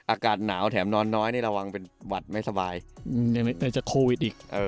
อากาศหนาวแถมนอนน้อยนี่ระวังเป็นหวัดไม่สบายมันจะโควิดอีก